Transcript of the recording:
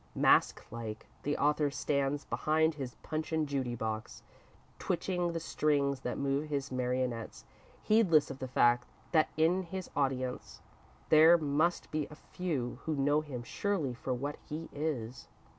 Mask like, the author stands behind his Punch and Judy box, twitching the strings that move his marionettes, heedless of the fact that in his audience there must be a few who know him surely for what he is.